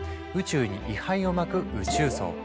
宇宙に遺灰をまく宇宙葬。